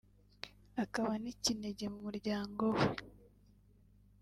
akaba n’ikinege mu muryango we